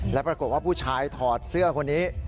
และปรากฏว่าผู้ชายถอดเสื้อคนนี้